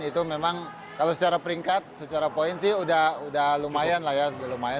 itu memang kalau secara peringkat secara poin sih udah lumayan lah ya